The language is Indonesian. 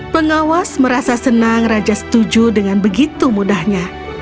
pengawas merasa senang raja setuju dengan begitu mudahnya